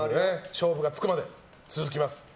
勝負がつくまで続きます。